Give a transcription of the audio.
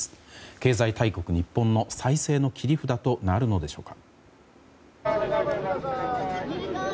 経済大国、日本の再生の切り札となるのでしょうか。